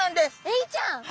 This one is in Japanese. エイちゃん！